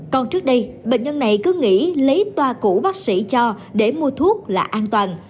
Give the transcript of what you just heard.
còn trước đây bệnh nhân này cứ nghĩ lấy toa cũ bác sĩ cho để mua thuốc là an toàn